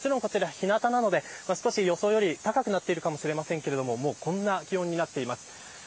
もちろんこちら日なたなので少し予想より高くなってるかもしれませんがもうこんな気温になっています。